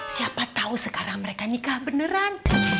siapa tahu sekarang mereka nikah beneran